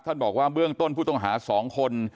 บอกว่าเบื้องต้นผู้ต้องหา๒คน